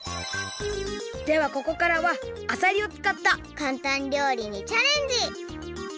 ではここからはあさりをつかったかんたん料理にチャレンジ！